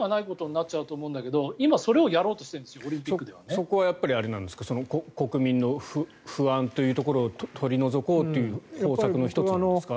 そこはやっぱり国民の不安というところを取り除こうという方策の１つなんですか。